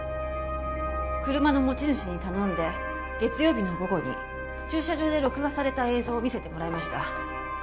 車の持ち主に頼んで月曜日の午後に駐車場で録画された映像を見せてもらいました。